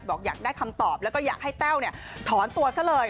อยากได้คำตอบแล้วก็อยากให้แต้วถอนตัวซะเลย